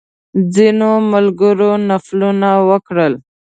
ځینو ملګرو نفلونه وکړل.